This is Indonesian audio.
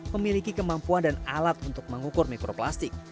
memiliki kemampuan dan alat untuk mengukur mikroplastik